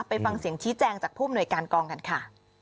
ไปฟังเสียงชี้แจงจากผู้มนวยการกองกันค่ะ